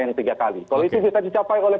yang tiga kali kalau itu bisa dicapai oleh